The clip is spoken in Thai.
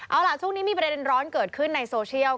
เอาล่ะช่วงนี้มีประเด็นร้อนเกิดขึ้นในโซเชียล